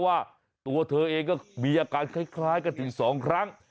ว่าตัวเธอเองก็มีอาการคล้ายกันถึง๒ครั้ง